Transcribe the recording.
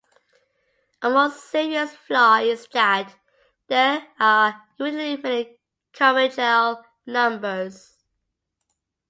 A more serious flaw is that there are infinitely many Carmichael numbers.